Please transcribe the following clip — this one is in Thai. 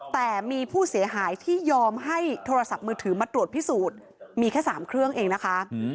แต่มีผู้เสียหายที่ยอมให้โทรศัพท์มือถือมาตรวจพิสูจน์มีแค่๓เครื่องเองนะคะ